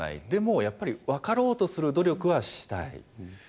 でもやっぱり分かろうとする努力はしたい。